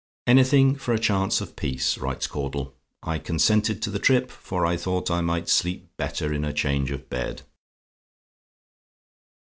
"Anything for a chance of peace," writes Caudle. "I consented to the trip, for I thought I might sleep better in a change of bed."